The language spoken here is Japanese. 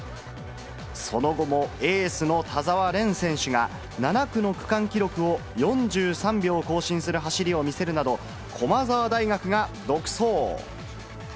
その後もエースの田澤廉選手が７区の区間記録を４３秒更新する走りを見せるなど、駒澤大学が独走。